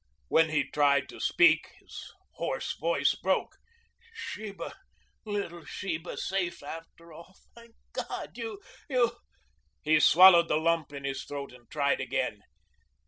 When he tried to speak his hoarse voice broke. "Sheba little Sheba! Safe, after all. Thank God, you you " He swallowed the lump in his throat and tried again.